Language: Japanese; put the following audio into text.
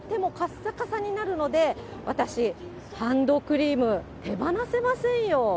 さかさになるので、私、ハンドクリーム手放せませんよ。